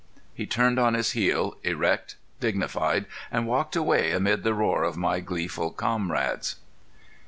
He turned on his heel, erect, dignified, and walked away amid the roars of my gleeful comrades.